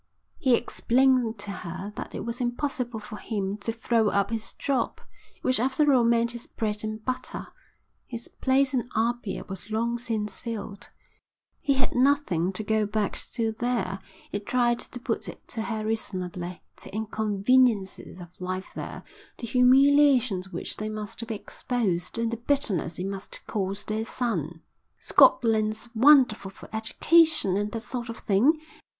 He explained to her that it was impossible for him to throw up his job, which after all meant his bread and butter. His place in Apia was long since filled. He had nothing to go back to there. He tried to put it to her reasonably, the inconveniences of life there, the humiliation to which they must be exposed, and the bitterness it must cause their son. "Scotland's wonderful for education and that sort of thing.